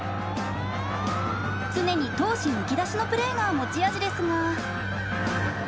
常に闘志むき出しのプレーが持ち味ですが。